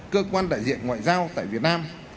cơ quan đại diện ngoại giao tại việt nam